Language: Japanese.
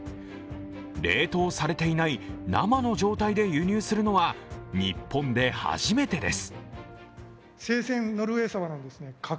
冷凍されていない生の状態で輸入するのは日本で初めてです。